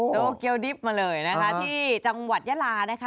โตเกียวดิบมาเลยนะคะที่จังหวัดยาลานะคะ